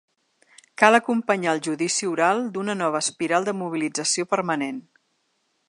Cal acompanyar el judici oral d’una nova espiral de mobilització permanent.